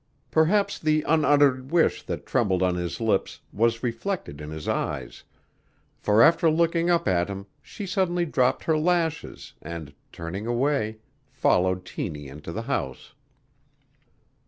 Perhaps the unuttered wish that trembled on his lips was reflected in his eyes, for after looking up at him she suddenly dropped her lashes and, turning away, followed Tiny into the house.